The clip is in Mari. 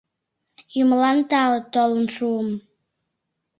Юмылан тау — толын шуым...